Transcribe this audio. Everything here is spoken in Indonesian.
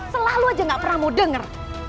selalu aja gak pernah mau dengar